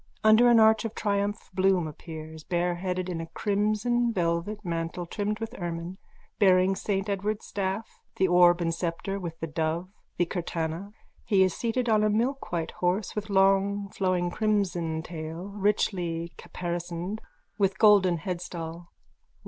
Under an arch of triumph Bloom appears, bareheaded, in a crimson velvet mantle trimmed with ermine, bearing Saint Edward's staff, the orb and sceptre with the dove, the curtana. He is seated on a milkwhite horse with long flowing crimson tail, richly caparisoned, with golden headstall.